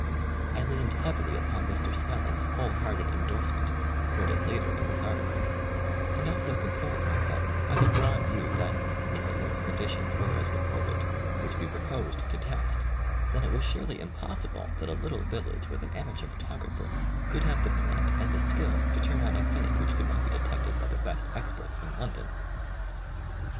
I leaned heavily upon Mr. Snelling's whole hearted endorsement, quoted later in this ar ticle, and also consoled myself by the broad view that if the local conditions were as re ported, which we proposed to test, then it was surely impossible that a little village with an amateur photographer could have the plant and the skill to turn out a fake which could not be detected by the best ex perts in London.